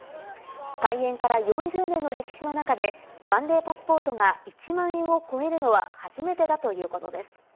開園から４０年の歴史の中で、ワンデーパスポートが１万円を超えるのは初めてだということです。